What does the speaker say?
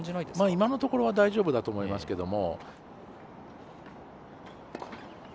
今のところは大丈夫だと思いますけれども。